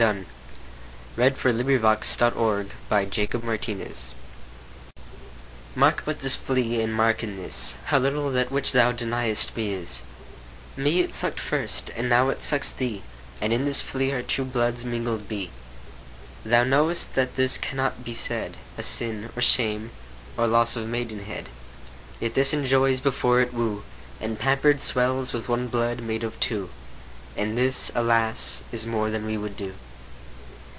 Musée Historique, Nancy THE FLEA. by John Donne MARK but this flea, and mark in this, How little that which thou deniest me is ; It suck'd me first, and now sucks thee, And in this flea our two bloods mingled be. Thou know'st that this cannot be said A sin, nor shame, nor loss of maidenhead ; Yet this enjoys before it woo, And pamper'd swells with one blood made of two ; And this, alas ! is more than we would do.